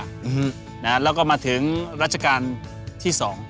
อื้อฮือนะฮะแล้วก็มาถึงรัชกาลที่สอง